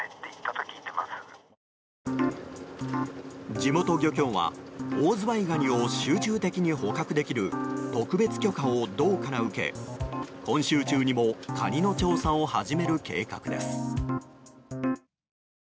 地元漁協は、オオズワイガニを集中的に捕獲できる特別許可を道から受け今週中にもカニの調査を始める計画です。